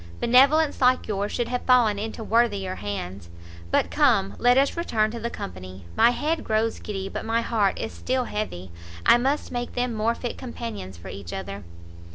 benevolence like yours should have fallen into worthier hands. But come, let us return to the company. My head grows giddy, but my heart is still heavy; I must make them more fit companions for each other."